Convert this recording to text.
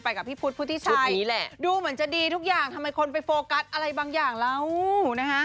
ไปกับพี่พุทธพุทธที่ชัยไปกับพี่พุทธที่ชัย